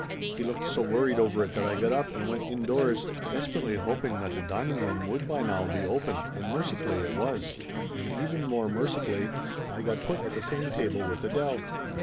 He looked so worried over it that I got up and went indoors, desperately hoping that the dining room would by now be open; and mercifully it was. And even more mercifully, I got put at the same table with Adele.